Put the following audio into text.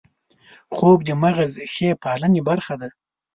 خوب د مغز ښې پالنې برخه ده